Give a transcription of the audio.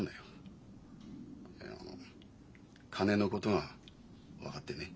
いやあの金のことが分かってね。